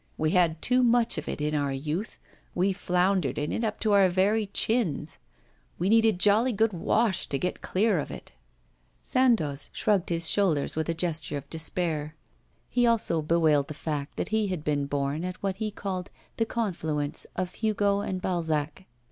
We had too much of it in our youth, we floundered in it up to our very chins. We need a jolly good wash to get clear of it.' Sandoz shrugged his shoulders with a gesture of despair. He also bewailed the fact that he had been born at what he called the confluence of Hugo and Balzac.